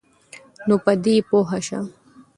نو په دی پوهه شه